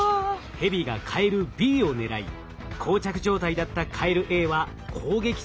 ヘビがカエルＢを狙いこう着状態だったカエルＡは攻撃されずに済むことも分かりました。